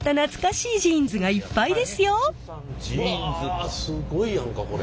うわすごいやんかこれ。